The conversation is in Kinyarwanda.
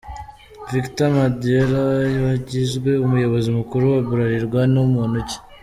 Victor Madiela wagizwe umuyobozi mukuru wa Bralirwa ni muntu ki ?.